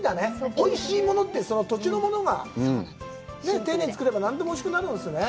おいしいものって、その土地のもので丁寧に作れば何でもおいしくなるんですね。